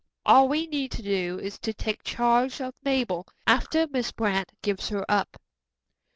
All we need to do is to take charge of Mabel, after Miss Brant gives her up."